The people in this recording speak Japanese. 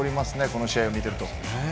この試合を見ていると。